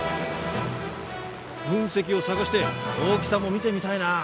噴石を探して大きさも見てみたいな。